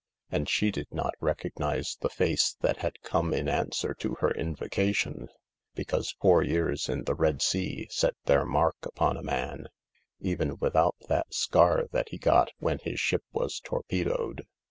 And she did not recognise the face that had come in answer to her invoca4 tion, because four years in the Red Sea set their mark upon a man, even without that scar that he got when his ship was torpedoed.